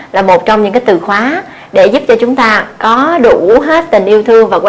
là một trong những cái từ khóa